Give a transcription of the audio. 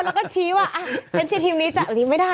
แล้วก็ชี้ว่าเซ็นเชียทีมนี้จับอันนี้ไม่ได้นะคะ